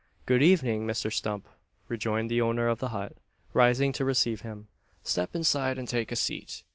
"Good evening', Mr Stump!" rejoined the owner of the hut, rising to receive him. "Step inside, and take a seat!"